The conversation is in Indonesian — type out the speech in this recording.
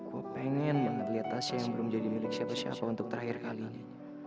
ku pengen melihat tasya yang belum jadi milik siapa siapa untuk terakhir kali ini